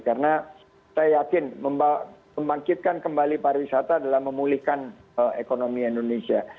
karena saya yakin membangkitkan kembali pariwisata adalah memulihkan ekonomi indonesia